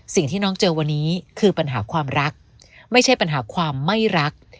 สิ่งที่น้องเจอวันนี้คือปัญหาความรักไม่ใช่ปัญหาความไม่รัก